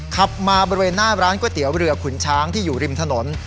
ขับมาบริเวณหน้าร้านก๋วยเตี๋ยวเรือขุนช้างที่อยู่ริมถนน